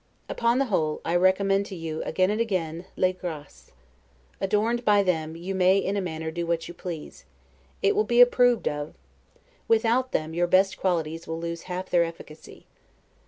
Upon the whole, I recommend to you, again and again, 'les Graces'. Adorned by them, you may, in a manner, do what you please; it will be approved of; without them, your best qualities will lose half their efficacy.